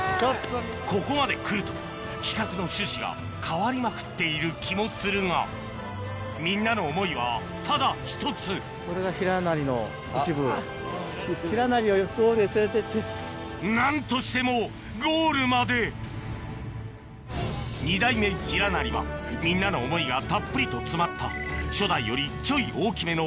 ここまで来ると企画の趣旨が変わりまくっている気もするがみんなの思いはただ１つ何としてもゴールまで２代目ヒラナリはみんなの思いがたっぷりと詰まった初代よりちょい大きめの